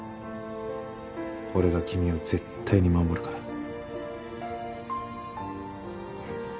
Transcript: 俺が君を絶対に守るから。